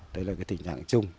đấy là tình trạng chung